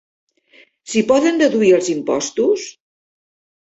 S'hi poden deduir els impostos?